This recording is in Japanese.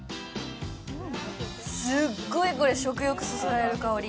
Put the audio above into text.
すっごい食欲そそられる香り。